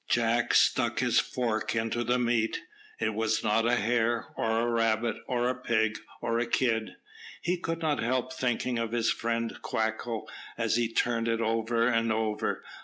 Jack stuck his fork into the meat. It was not a hare, or a rabbit, or a pig, or a kid. He could not help thinking of his friend Quacko, as he turned it over and over.